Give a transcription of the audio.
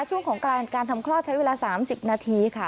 ช่วงของการทำคลอดใช้เวลา๓๐นาทีค่ะ